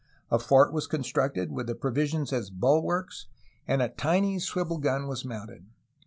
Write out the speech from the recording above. A fort was constructed, with the provisions as bulwarks, and a tiny swivel gun was mounted.